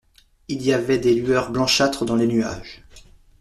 Il y avait des lueurs blanchâtres dans les nuages.